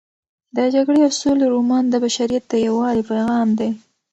د جګړې او سولې رومان د بشریت د یووالي پیغام دی.